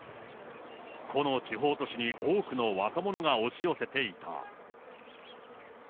この地方都市に多くの若者が押し寄せていた。